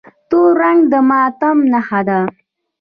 تور رنګ د ماتم نښه ده.